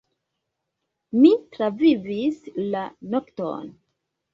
Mi travivis la nokton!